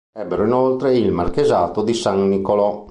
Ebbero inoltre il marchesato di San Niccolò.